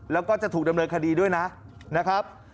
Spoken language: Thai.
และจะถูกเดิมเลยงคดีด้วยน่ะ